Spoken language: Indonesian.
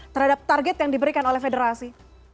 terhadap target yang diberikan oleh federasi